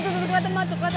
nih balikin dong motornya